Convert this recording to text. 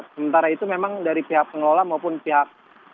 sementara itu memang dari pihak pengelola maupun pihak